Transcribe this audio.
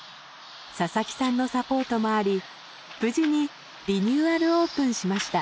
佐々木さんのサポートもあり無事にリニューアルオープンしました。